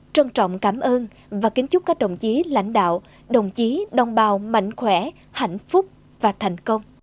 trân trọng cảm ơn và kính chúc các đồng chí lãnh đạo đồng chí đồng bào mạnh khỏe hạnh phúc và thành công